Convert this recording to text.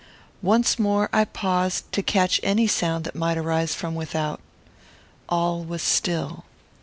Once more I paused to catch any sound that might arise from without. All was still.